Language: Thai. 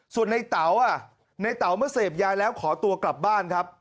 ส่วนในเต๋าในเต๋าเมื่อเสพยาแล้วขอตัวกลับบ้านครับ